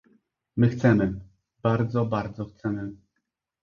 "my chcemy, bardzo, bardzo chcemy."